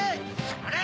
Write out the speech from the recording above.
それ！